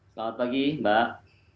selamat pagi mbak